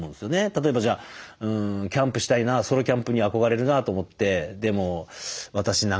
例えばじゃあキャンプしたいなソロキャンプに憧れるなと思って「でも私なんか何も知らないから」